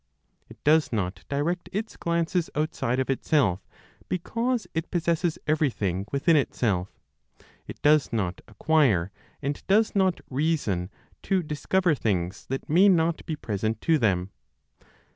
It does not direct its glances outside of itself, because it possesses everything within itself; it does not acquire, and does not reason to discover things that may not be present to them.